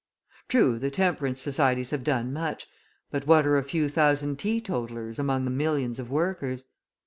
True, the temperance societies have done much, but what are a few thousand teetotallers among the millions of workers?